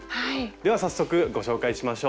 では早速ご紹介しましょう。